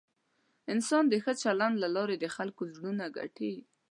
انسان د ښه چلند له لارې د خلکو زړونه ګټي.